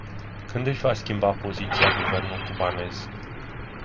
Când își va schimba poziția guvernul cubanez?